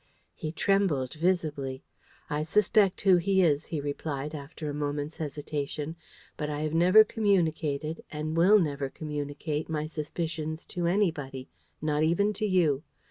He trembled visibly. "I suspect who he is," he replied, after a moment's hesitation. "But I have never communicated, and will never communicate, my suspicions to anybody, not even to you.